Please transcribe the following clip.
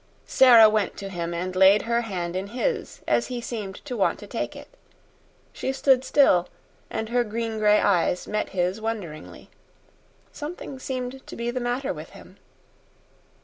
Sara went to him and laid her hand in his, as he seemed to want to take it. She stood still, and her green gray eyes met his wonderingly. Something seemed to be the matter with him.